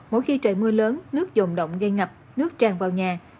mỗi khi trời mưa lớn nước dồn động gây ngập nước tràn vào nhà